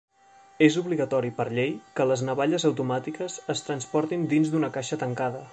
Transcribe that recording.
És obligatori per llei que les navalles automàtiques es transportin dins d'una caixa tancada.